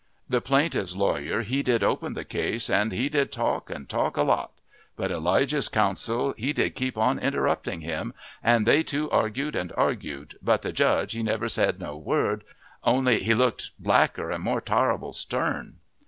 The plaintiff's lawyer he did open the case and he did talk and talk a lot, but Elijah's counsel he did keep on interrupting him, and they two argued and argued, but the judge he never said no word, only he looked blacker and more tarrible stern.